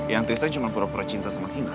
yang tristan cuma pura pura cinta sama kinar